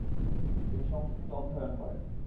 তিনি সংস্কৃত অধ্যয়ন করেন।